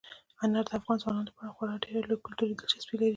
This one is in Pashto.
انار د افغان ځوانانو لپاره خورا ډېره لویه کلتوري دلچسپي لري.